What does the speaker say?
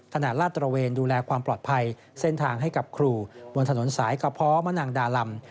ลาดตระเวนดูแลความปลอดภัยเส้นทางให้กับครูบนถนนสายกระเพาะมะนางดาลำ